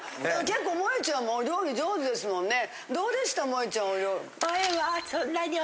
結構もえちゃんもお料理上手ですもんね。